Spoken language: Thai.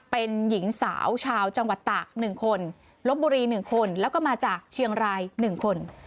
เป็นหญิงสาวชาวจังหวัดตาก๑คนลบบุรี๑คนแล้วก็มาจากเชียงราย๑คน